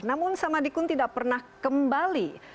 namun samadikun tidak pernah kembali